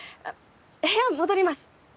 部屋戻ります。